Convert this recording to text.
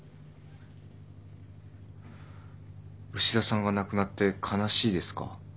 牛田さんが亡くなって悲しいですか？